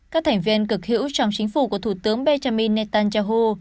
các thành viên cực hữu trong chính phủ của thủ tướng benjamin netanyahu